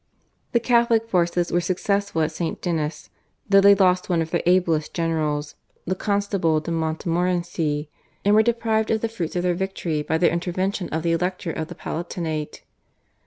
The Catholic forces were successful at St. Denis though they lost one of their ablest generals, the Constable de Montmorency, and were deprived of the fruits of their victory by the intervention of the Elector of the Palatinate.